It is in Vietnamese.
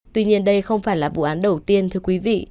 tuy nhiên đây không phải là vụ án đầu tiên thưa quý vị